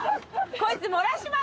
こいつ漏らしました！